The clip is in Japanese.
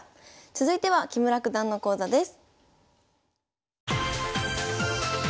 続いては木村九段の講座です。